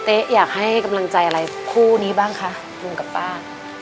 อยากให้กำลังใจอะไรคู่นี้บ้างคะลุงกับป้า